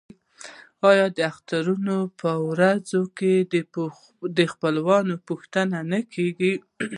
آیا د اخترونو په ورځو کې د خپلوانو پوښتنه نه کیږي؟